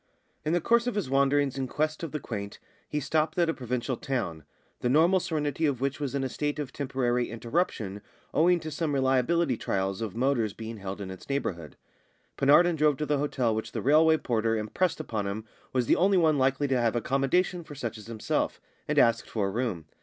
In the course of his wanderings in quest of the quaint he stopped at a provincial town, the normal serenity of which was in a state of temporary interruption owing to some reliability trials of motors being held in its neighbourhood. Penarden drove to the hotel which the railway porter impressed upon him was the only one likely to have accommodation for such as himself, and asked for a room.